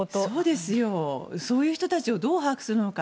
そういう人たちをどう把握するのか。